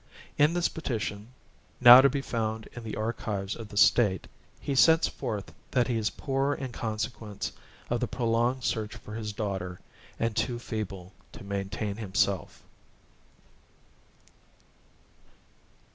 In this petition, now to be found in the archives of the State, he sets forth that he is poor in consequence of the prolonged search for his daughter, and too feeble to maintain himself.